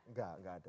enggak enggak ada